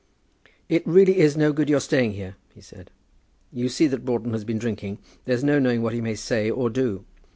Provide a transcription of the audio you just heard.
"It really is no good your staying here," he said. "You see that Broughton has been drinking. There's no knowing what he may say or do."